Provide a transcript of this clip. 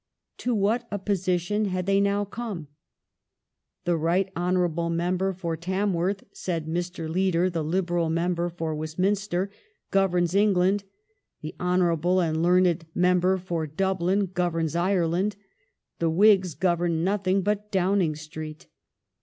To what a posi tion had they now come? "The Right Honourable member for Tamworth," said Mr. Leader, the Liberal member for Westminster, *' governs England ; the honourable and learned member for Dublin governs Ireland ; the Whigs govern nothing but Downing Street."